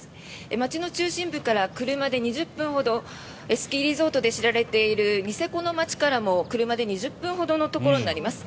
町の中心部から車で２０分ほどスキーリゾートで知られているニセコの町からも車で２０分ほどのところになります。